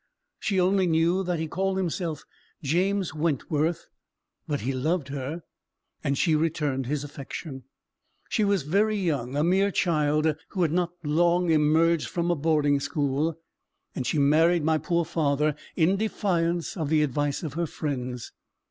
She only knew that he called himself James Wentworth; but he loved her, and she returned his affection. She was very young—a mere child, who had not long emerged from a boarding school—and she married my poor father in defiance of the advice of her friends.